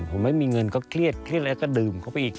ผมไม่มีเงินก็เครียดเครียดแล้วก็ดื่มเข้าไปอีก